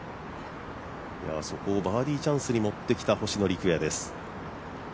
そこをバーディーチャンスに持ってきた星野陸也です。